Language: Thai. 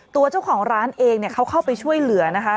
ตัวเจ้าของร้านเองเขาเข้าไปช่วยเหลือนะคะ